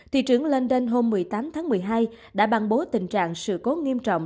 thị trưởng london hôm một mươi tám tháng một mươi hai đã bàn bố tình trạng sự cố nghiêm trọng